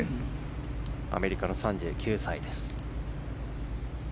アメリカの３９歳です。